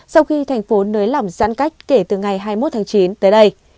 sau khi thành phố nới lỏng giãn cách kể từ ngày hai mươi một tháng chín tới đây